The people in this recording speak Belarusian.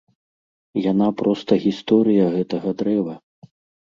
Яна проста гісторыя гэтага дрэва.